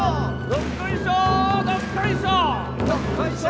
どっこいしょ！